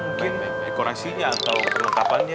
mungkin dekorasinya atau perlengkapannya